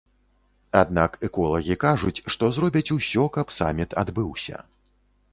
Аднак эколагі кажуць, што зробяць усё, каб саміт адбыўся.